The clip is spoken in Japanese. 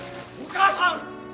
お母さん！